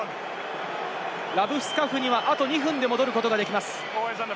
ラブスカフニはあと２分で戻ることができます。